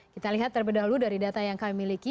kita lihat terbeda dulu dari data yang kami miliki